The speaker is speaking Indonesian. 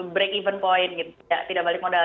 break even point gitu tidak balik modal